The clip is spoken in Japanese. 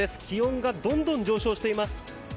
気温がどんどん上昇しています。